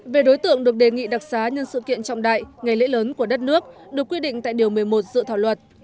về đối tượng được đề nghị đặc xá nhân sự kiện trọng đại ngày lễ lớn của đất nước được quy định tại điều một mươi một dự thảo luật